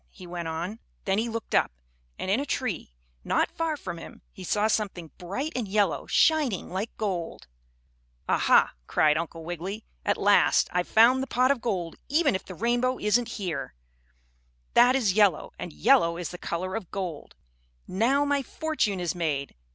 he went on. Then he looked up, and in a tree, not far from him, he saw something bright and yellow, shining like gold. "Ah, ha!" cried Uncle Wiggily. "At last I have found the pot of gold, even if the rainbow isn't here. That is yellow, and yellow is the color of gold. Now my fortune is made.